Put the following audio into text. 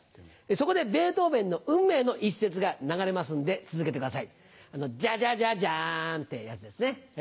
そこでベートーベンの『運命』の一節が流れますんで続けてください。ジャジャジャジャンってやつですね